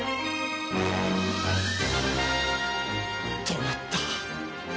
止まった。